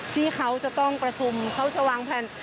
ที่เขาจะต้องประชุมเขาจะวางแผน